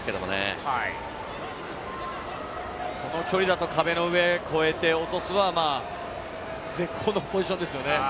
このくらいの距離だと壁を越えて落とすには絶好のポジションですよね。